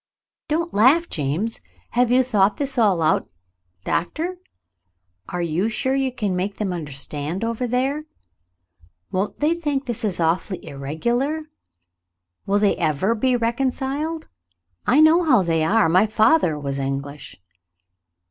"Don't laugh, James. Have you thought this all out, Doctor ? Are you sure you can make them understand over there ? Won't they think this awfully irregular ? Will they ever be reconciled ? I know how they are. My father was English."